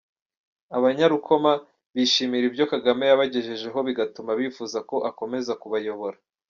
Abanyarukoma bishimira ibyo Kagame yabagejejeho bigatuma bifuza ko akomeza kubayobora.